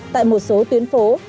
tại một số tuyến phố